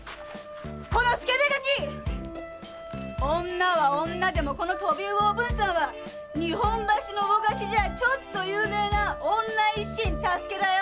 女は女でもこの「とび魚おぶん」さんはな日本橋の魚河岸じゃちょっとは有名な「女一心太助」だよ。